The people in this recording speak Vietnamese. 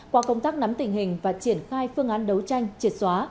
qua công tác nắm tình hình và triển khai phương án đấu tranh triệt xóa